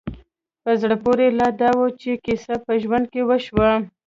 په زړه پورې لا دا وه چې کيسه په ژرنده کې وشوه.